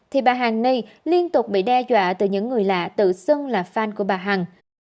thì bà hằng nay liên tục bị đe dọa từ những người lạ tự xưng là fan của bà hằng